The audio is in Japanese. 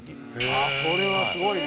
ああそれはすごいね。